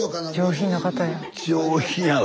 上品やろ。